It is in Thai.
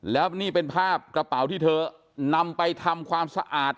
แล้วนี่เป็นภาพกระเป๋าที่เธอนำไปทำความสะอาด